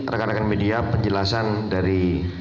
rekan rekan media penjelasan dari